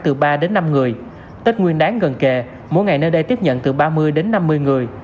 từ ba đến năm người tết nguyên đáng gần kề mỗi ngày nơi đây tiếp nhận từ ba mươi đến năm mươi người